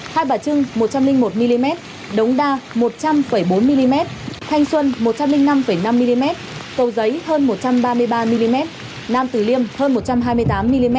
hai bà trưng một trăm linh một mm đống đa một trăm linh bốn mm thanh xuân một trăm linh năm năm mm cầu giấy hơn một trăm ba mươi ba mm nam tử liêm hơn một trăm hai mươi tám mm